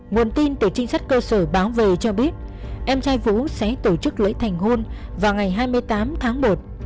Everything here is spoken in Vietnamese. nguồn tin từ trinh sát cơ sở báo về cho biết em trai vũ sẽ tổ chức lễ thành hôn vào ngày hai mươi tám tháng một